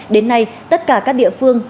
đến nay tất cả các địa phương